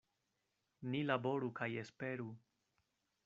Ni laboru kaj esperu.